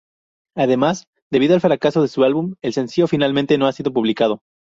Además, debido al fracaso de su álbum, el sencillo finalmente no ha sido publicado.